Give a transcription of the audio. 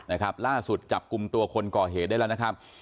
นะครับล่าสุดจับกลุ่มตัวคนก่อเหตุได้แล้วนะครับ